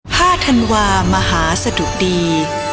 ห้าธันวามหาสดุดี